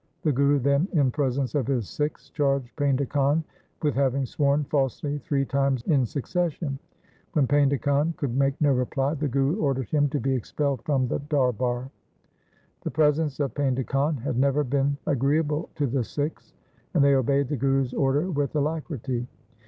The Guru then in presence of his Sikhs charged Painda Khan with having sworn falsely three times in succession. When Painda Khan could make no reply, the Guru ordered him LIFE OF GURU HAR GOBIND 193 to be expelled from the darbar. The presence of Painda Khan had never been agreeable to the Sikhs, and they obeyed the Guru's order with alacrity.